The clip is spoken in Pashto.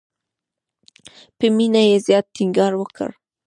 په مینه یې زیات ټینګار وکړ.